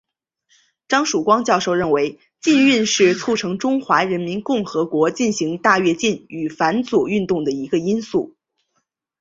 张曙光教授认为禁运是促成中华人民共和国进行大跃进与反右运动的一个因素。